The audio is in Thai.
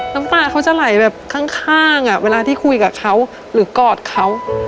น้ำตาเขาจะไหลแบบข้างเวลาที่คุยกับเขาหรือกอดเขา